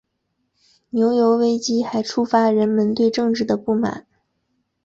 牛油危机还触发人们对政治的不满。